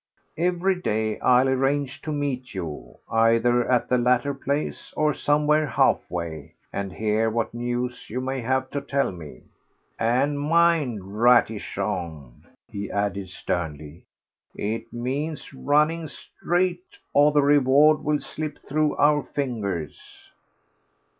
Every day I'll arrange to meet you, either at the latter place or somewhere half way, and hear what news you may have to tell me. And mind, Ratichon," he added sternly, "it means running straight, or the reward will slip through our fingers."